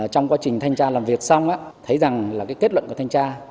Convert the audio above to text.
trong quá trình thanh tra làm việc xong thấy rằng là cái kết luận của thanh tra